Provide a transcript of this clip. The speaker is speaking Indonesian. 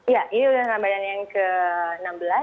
ya ini udah ramadan yang ke enam belas